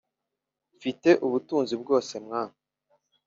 mfite ubutunzi bwose mwana